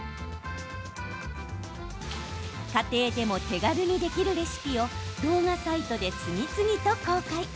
家庭でも手軽にできるレシピを動画サイトで次々と公開。